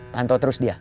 tantau terus dia